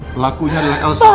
pelakunya adalah elsa